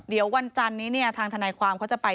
เดี๋ยววันจันนี้เนี่ยทางทนายความเขาจะไป